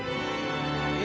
え！